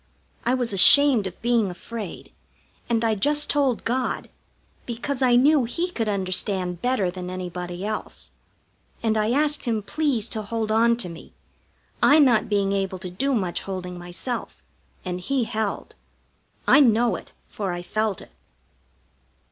I was ashamed of being afraid, and I just told God, because I knew He could understand better than anybody else; and I asked Him please to hold on to me, I not being able to do much holding myself, and He held. I know it, for I felt it.